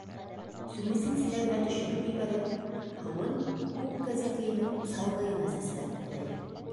Сүмесен силәгенә төшөрөп ебәреп, һыуын күк кәзәкейенең салғыйына сәсрәтте: